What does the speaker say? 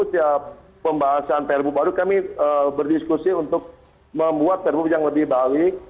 setiap pembahasan fair book baru kami berdiskusi untuk membuat fair book yang lebih baik